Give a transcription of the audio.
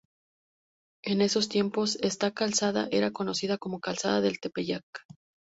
En esos tiempos esta calzada era conocida como Calzada del Tepeyac.